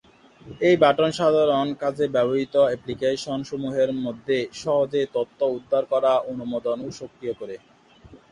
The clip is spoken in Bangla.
এই বাটন সাধারণ কাজে ব্যবহৃত অ্যাপ্লিকেশন সমূহের মধ্যে সহজে তথ্য উদ্ধার করা অনুমোদন ও সক্রিয় করে।